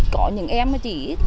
có những em chỉ